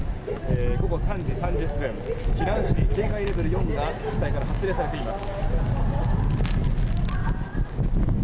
午後３時３０分避難指示警戒レベル４が那覇市に発令されています。